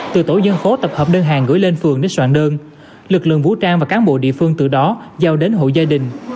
từ tổ dân phố tập hợp đơn hàng gửi lên phường đến soạn đơn lực lượng vũ trang và cán bộ địa phương từ đó giao đến hộ gia đình